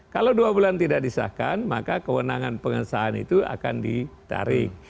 kalau dua bulan tidak disahkan maka kewenangan pengesahan itu akan ditarik